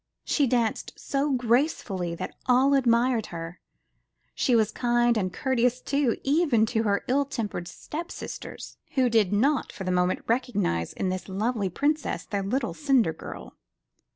She danced so gracefully that all admired her. She was kind and courteous, too, even to her ill tempered step sisters, 169 MY BOOK HOUSE who did not for a moment recognize in this lovely princess their little cinder girl.